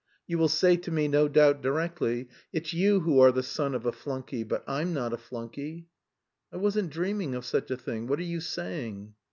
You will say to me no doubt directly, 'it's you who are the son of a flunkey, but I'm not a flunkey.'" "I wasn't dreaming of such a thing.... What are you saying!"